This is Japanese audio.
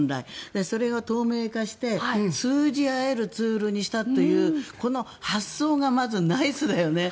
それを透明化して通じ合えるツールにしたというこの発想がまずナイスだよね。